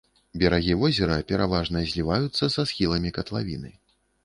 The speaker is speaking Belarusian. Берагі возера пераважна зліваюцца са схіламі катлавіны.